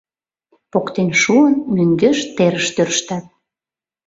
Поктен шуын, мӧҥгеш терыш тӧрштат.